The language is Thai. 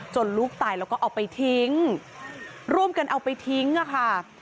ลูกตายแล้วก็เอาไปทิ้งร่วมกันเอาไปทิ้งค่ะ